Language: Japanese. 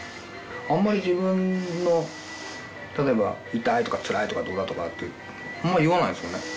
あんまり自分の例えば痛いとかつらいとかどうだとかってあんまり言わないですよね。